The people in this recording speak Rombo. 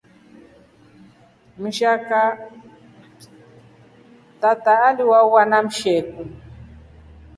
Tata alihauwa na msheku.